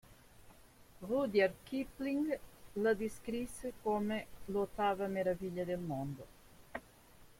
Rudyard Kipling la descrisse come l'"Ottava meraviglia del mondo".